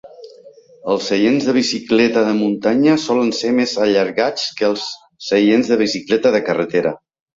Els seients de bicicleta de muntanya solen ser més allargats que els seients de bicicleta de carretera.